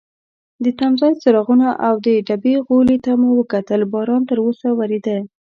د تمځای څراغونو او د ډبې غولي ته مو کتل، باران تراوسه وریده.